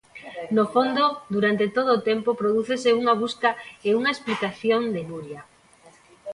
No fondo, durante todo o tempo, prodúcese unha busca e unha explicación de Nuria.